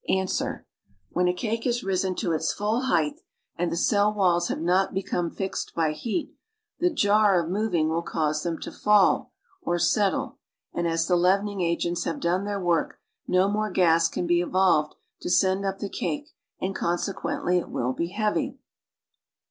46 Ans. When a cake has risen to its full height and the cell walls have not become fixed by heat, the jar of moving will cause them to fall, or settle; and as the leavening agents have done their work no more gas can be evolved to send up the cake and couse(juently it will be heavy.